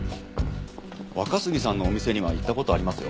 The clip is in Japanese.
若杉さんのお店には行った事ありますよ。